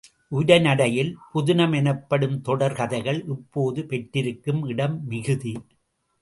உரைநடையில், புதினம் எனப்படும் தொடர் கதைகள் இப்போது பெற்றிருக்கும் இடம் மிகுதி.